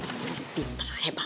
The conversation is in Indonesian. si aden pintar hebat